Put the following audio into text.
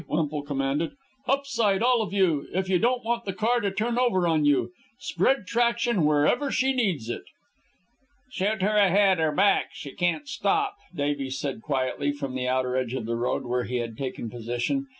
Wemple commanded. "Up side, all of you, if you don't want the car to turn over on you. Spread traction wherever she needs it." "Shoot her ahead, or back she can't stop," Davies said quietly, from the outer edge of the road, where he had taken position.